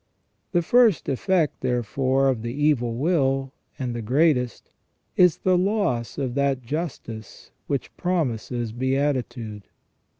The first effect, therefore, of the evil will, and the greatest, is the loss of that justice which promises beatitude.